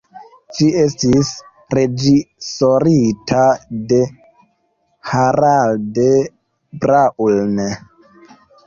Ĝi estis reĝisorita de Harald Braun.